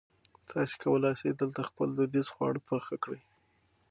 تاسي کولای شئ دلته خپل دودیز خواړه پخ کړي.